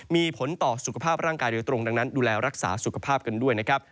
มีผลต่อสุขภาพร่างกายโดยตรงดังนั้นดูแลรักษาสุขภาพกันด้วยนะครับ